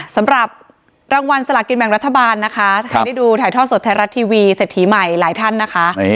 สำหรับรางวัลสลากินแบ่งรัฐบาลนะคะถ้าใครได้ดูถ่ายทอดสดไทยรัฐทีวีเศรษฐีใหม่หลายท่านนะคะ